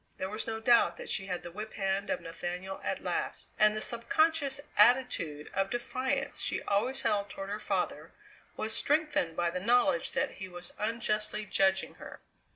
There was no doubt that she had the whip hand of Nathaniel at last, and the subconscious attitude of defiance she always held toward her father was strengthened by the knowledge that he was unjustly judging her.